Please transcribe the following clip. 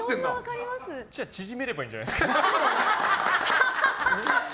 じゃあ縮めればいいんじゃないですか。